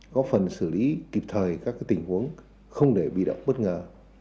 góp phần xử lý kịp thời các tình huống không để bị động bất ngờ